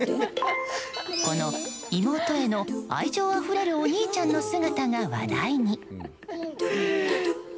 この妹への愛情あふれるお兄ちゃんの姿が話題に。